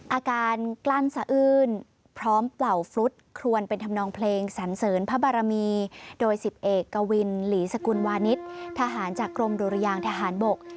อาการกลั้นเสอื้นพร้อมเปล่าฟรุษควรเป็นธำนองเพลงสามเสริญพระบารมีโดยสิบเอกกวินหลีศกุลวานิททหารจากกรมโดรยางทหารทหารสวัสดิ์